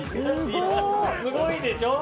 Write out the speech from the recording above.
すごいでしょ！